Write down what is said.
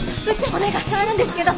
☎お願いがあるんですけど。